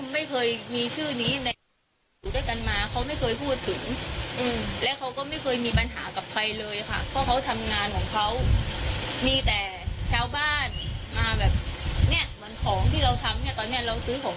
มันคือตุ้มไม่เคยมีชื่อนี้ด้วยกันมาเขาไม่เคยพูดถึง